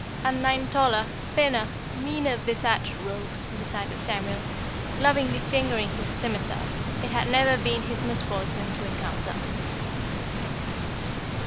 And nine taller, thinner, meaner visaged rogues, decided Samuel, lovingly fingering his scimiter, it had never been his misfortune to encounter.